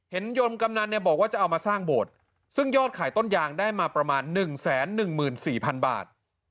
ยนต์กำนันเนี่ยบอกว่าจะเอามาสร้างโบสถ์ซึ่งยอดขายต้นยางได้มาประมาณ๑๑๔๐๐๐บาท